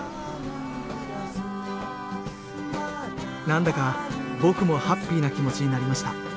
何だか僕もハッピーな気持ちになりました。